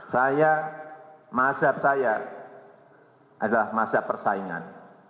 saya masyarakat saya adalah masyarakat persaingan